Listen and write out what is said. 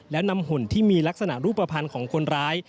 แล้วนำหุ่นที่มีลักษณะรูปภัณฑ์ของคนร้าย